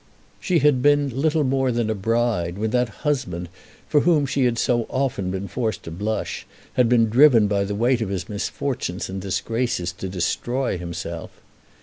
She had been little more than a bride when that husband, for whom she had so often been forced to blush, had been driven by the weight of his misfortunes and disgraces to destroy himself!